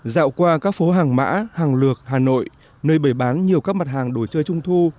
dạo qua các phố hàng mã hàng lược hà nội nơi bày bán nhiều các mặt hàng đồ chơi trung thu